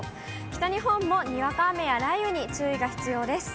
北日本もにわか雨や雷雨に注意が必要です。